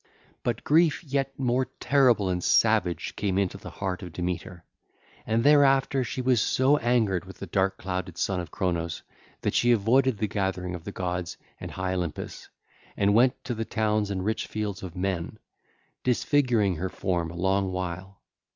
(ll. 90 112) But grief yet more terrible and savage came into the heart of Demeter, and thereafter she was so angered with the dark clouded Son of Cronos that she avoided the gathering of the gods and high Olympus, and went to the towns and rich fields of men, disfiguring her form a long while.